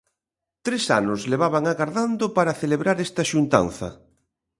Tres anos levaban agardando para celebrar esta xuntanza.